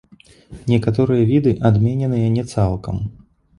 Некаторыя віды адмененыя не цалкам.